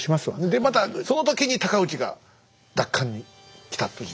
でまたその時に尊氏が奪還に来たという。